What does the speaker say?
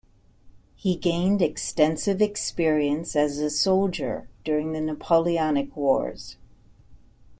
He gained extensive experience as a soldier during the Napoleonic Wars.